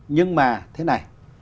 nhưng mà thế này